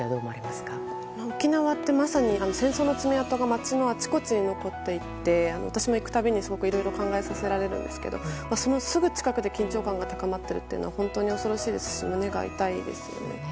沖縄ってまさに戦争の爪痕が街のあちこちに残っていて、私も行くたびにすごくいろいろなことが考えさせられるんですけどそのすぐ近くで緊張感が高まっているのは本当に恐ろしいですし胸が痛いですね。